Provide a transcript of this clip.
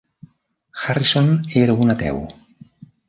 Harrison era un ateu.